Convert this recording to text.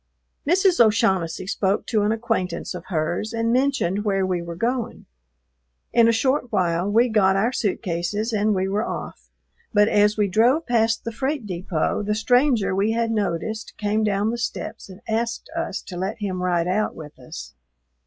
Mrs. O'Shaughnessy spoke to an acquaintance of hers and mentioned where we were going. In a short while we got our suit cases and we were off, but as we drove past the freight depot, the stranger we had noticed came down the steps and asked us to let him ride out with us.